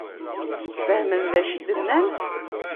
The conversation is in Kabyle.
Fehmen d acu i d-nnant?